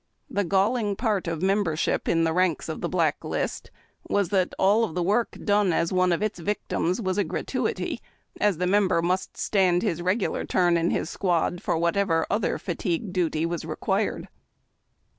The galling part of membership in tlie ranks of the black list was that all of the work done as one of its victims was a gratuity, as the member must stand his regular turn in his squad for whatever other fatigue duty was re(|uired.